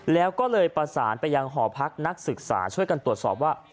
แล้วก็เลยประสานไปยังหอพักนักศึกษาช่วยกันตรวจสอบว่า